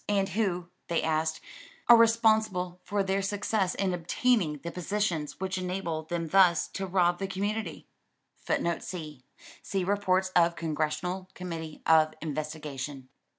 [C] "And who," they asked, "are responsible for their success in obtaining the positions which enable them thus to rob the community?" [Footnote C: See Reports of Congressional Committee of Investigation.